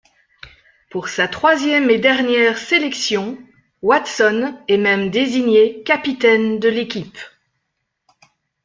Pour sa troisième et dernière sélection, Watson est même désigné capitaine de l'équipe.